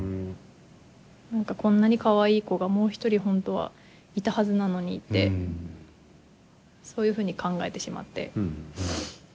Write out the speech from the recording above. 何かこんなにかわいい子がもう一人本当はいたはずなのにってそういうふうに考えてしまって。